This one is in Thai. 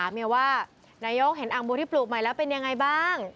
เมียว่านายกเห็นอ่างบัวที่ปลูกใหม่แล้วเป็นยังไงบ้าง